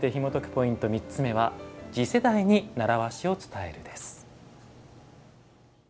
ポイント３つ目は「次世代に習わしを伝える」。